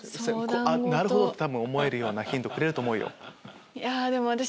なるほど！って思えるようなヒントくれると思うよ。